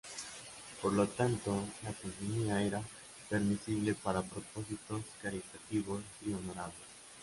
Por lo tanto, la poliginia era permisible para propósitos caritativos y honorables.